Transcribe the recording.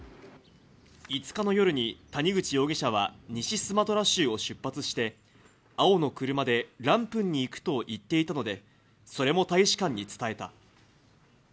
５日の夜に谷口容疑者は、西スマトラ州を出発して、青の車でランプンに行くと言っていたので、それも大使館に伝えた。